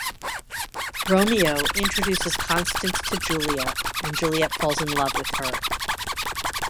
Romeo introduces Constance to Juliet, and Juliet falls in love with her.